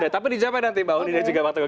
tapi dijapai nanti mbak undi dan juga pak teguh